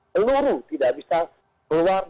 peluru tidak bisa keluar